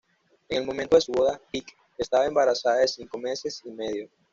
En el momento de su boda, Hicks estaba embarazada de cinco meses y medio.